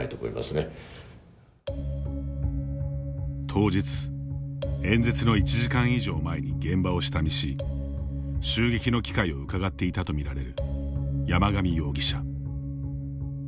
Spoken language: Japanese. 当日、演説の１時間以上前に現場を下見し、襲撃の機会をうかがっていたとみられる山上容疑者。